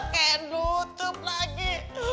kayak nutup lagi